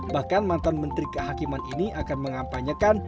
bahkan mantan menteri kehakiman ini akan mengampanyakan